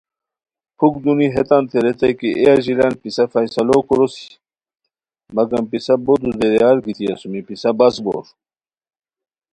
پھُک دونی ہیتانتے ریتائے کی اے اژیلیان پِسہ فیصلو کوروسی، مگم پِسہ بو دودیریار گیتی اسومی پِسہ بس بور